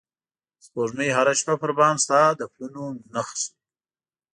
سپوږمۍ هره شپه پر بام ستا د پلونو نښې